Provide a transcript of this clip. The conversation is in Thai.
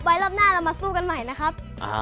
รอบหน้าเรามาสู้กันใหม่นะครับ